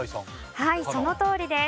はいそのとおりです。